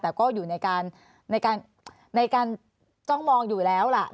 แต่ก็อยู่ในการจ้องมองอยู่แล้วล่ะ